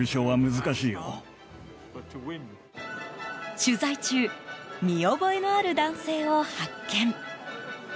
取材中見覚えのある男性を発見。